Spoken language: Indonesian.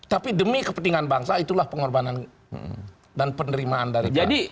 tapi demi kepentingan bangsa itulah pengorbanan dan penerimaan dari pdip